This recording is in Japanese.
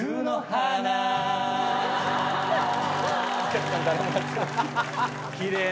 はい。